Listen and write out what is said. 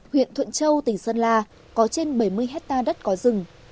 huyện thuận châu tỉnh sơn la có trên bảy mươi hectare đất có rừng